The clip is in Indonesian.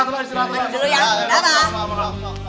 mandi dulu ya